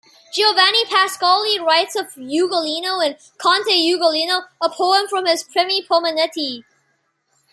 Giovanni Pascoli writes of Ugolino in 'Conte Ugolino', a poem from his Primi Poemetti.